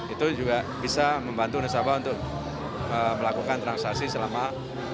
itu juga bisa membantu nasabah untuk melakukan transaksi selama